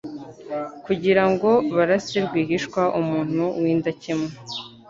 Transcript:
kugira ngo barase rwihishwa umuntu w’indakemwa